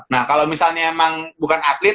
nah kalau misalnya emang bukan atlet